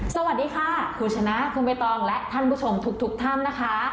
สวัสดีค่ะครูชนะคือเมตองและท่านผู้ชมทุกทุกท่ำนะคะ